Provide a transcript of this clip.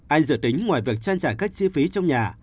anh dự tính ngoài việc trang trải các chi phí trong nhà